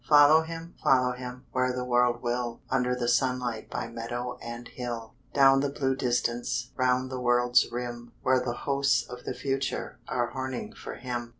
Follow him, follow him, Where the world will, Under the sunlight By meadow and hill. Down the blue distance, Round the world's rim, Where the hosts of the future Are horning for him.